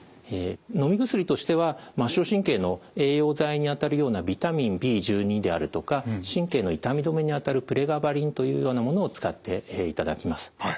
のみ薬としては末しょう神経の栄養剤にあたるようなビタミンＢであるとか神経の痛み止めにあたるプレガバリンというようなものを使っていただきます。